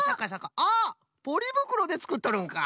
あっポリぶくろでつくっとるんか。